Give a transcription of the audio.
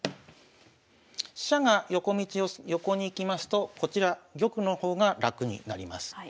飛車が横に行きますとこちら玉の方が楽になります。